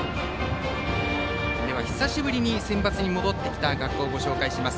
では久しぶりにセンバツに戻ってきた学校をご紹介します。